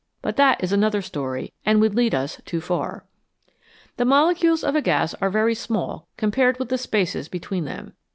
But that is another story, and would lead us too far. The molecules of a gas are very small compared with the spaces between them.